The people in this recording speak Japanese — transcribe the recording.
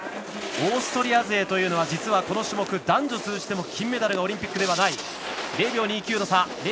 オーストリア勢というのは実はこの種目男女通じても金メダルオリンピックではない。